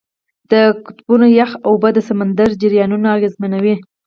د قطبونو یخ اوبه د سمندر جریانونه اغېزمنوي.